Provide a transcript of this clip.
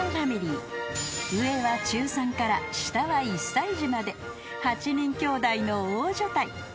［上は中３から下は１歳児まで８人きょうだいの大所帯］